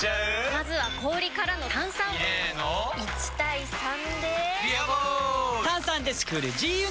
まずは氷からの炭酸！入れの１：３で「ビアボール」！